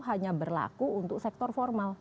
hanya berlaku untuk sektor formal